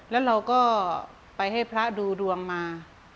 แล้วเราก็ไปให้พระดูดวงมา